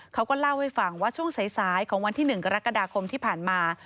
เขาก็เล่าให้ฟังว่าช่วงสายของวันที่๑กรกฎาคมที่ผ่านมา